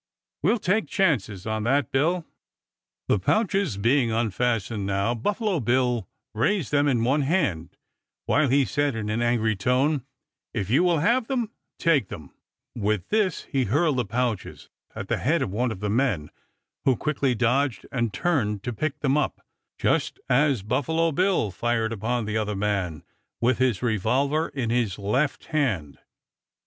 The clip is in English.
"We'll take chances on that, Bill." The pouches being unfastened now, Buffalo Bill raised them in one hand, while he said in an angry tone: "If you will have them, take them." With this he hurled the pouches at the head of one of the men, who quickly dodged and turned to pick them up, just as Buffalo Bill fired upon the other man with his revolver in his left hand.